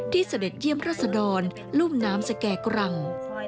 ที่เสด็จเยี่ยมราษฎรลุ่มน้ำแสกกรัง